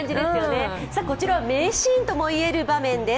こちらは名シーンともいえる場面です。